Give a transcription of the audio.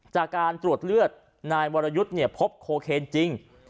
จากการตรวจเลือดนายวรยุทธ์พบโคเคนจริง